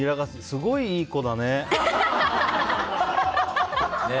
すごいいい子だね！